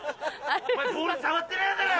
お前ボール触ってねえだろ！